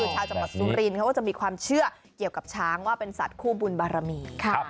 เขาจะมีความเชื่อเกี่ยวกับช้างว่าเป็นสัตว์คู่บุญบารมี